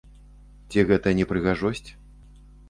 Ці гэта не прыгажосць?